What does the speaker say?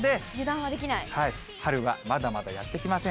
はい、春はまだまだやって来ません。